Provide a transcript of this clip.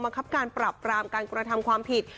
ครับการปรับปรามการกระทำความผิด